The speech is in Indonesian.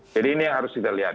jadi ini yang harus kita lihat